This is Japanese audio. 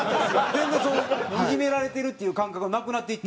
全然そういじめられるっていう感覚がなくなっていった？